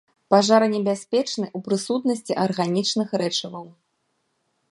Пажаранебяспечны ў прысутнасці арганічных рэчываў.